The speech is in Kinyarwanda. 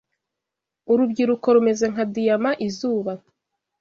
Urubyiruko rumeze nka diyama izuba